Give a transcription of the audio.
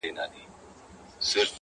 ډیک په هر ځنګله کي ښاخ پر ښاخ کړېږي-